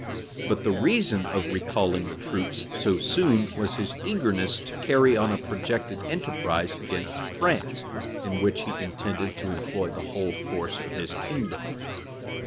[*] But the reason of his recalling the troops so soon, was his eagerness to carry on a projected enterprise against France, in which he intended to employ the whole force of his kingdom.